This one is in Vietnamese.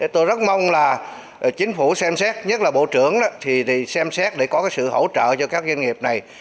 tôi rất mong là chính phủ xem xét nhất là bộ trưởng thì xem xét để có sự hỗ trợ cho các doanh nghiệp này